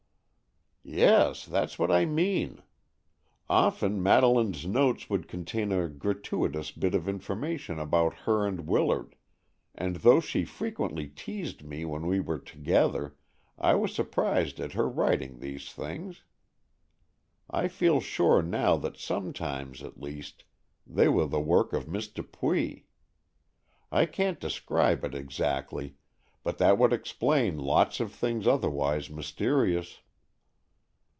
"Yes, that's what I mean. Often Madeleine's notes would contain a gratuitous bit of information about her and Willard, and though she frequently teased me when we were together, I was surprised at her writing these things. I feel sure now that sometimes, at least, they were the work of Miss Dupuy. I can't describe it exactly, but that would explain lots of things otherwise mysterious."